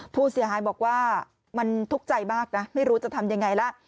ผู้เสียหายบอกว่ามันทุกข์ใจมากนะไม่รู้จะทำยังไงล่ะ